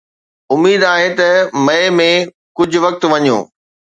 اميد آهي ته مئي ۾ ڪجهه وقت وڃو.